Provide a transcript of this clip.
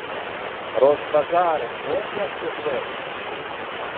- Розбазарив - ось як це зветься!